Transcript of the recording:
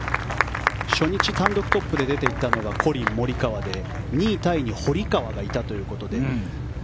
初日単独トップで出ていったのがコリン・モリカワで２位タイに堀川がいたということで。